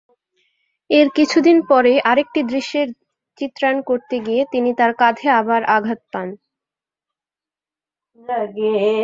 এর কিছুদিন পরেই আরেকটি দৃশ্যের চিত্রায়ণ করতে গিয়ে তিনি তাঁর কাঁধে আবার আঘাত পান।